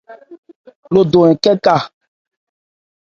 Lo do nkɛ ka.